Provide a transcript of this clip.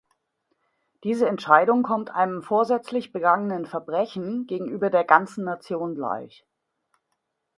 Diese Entscheidung kommt einem vorsätzlich begangenen Verbrechen gegenüber der ganzen Nation gleich.